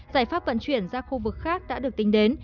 giải pháp vận chuyển ra khu vực khác đã được tính đến